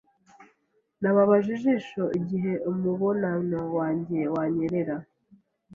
Nababaje ijisho igihe umubonano wanjye wanyerera.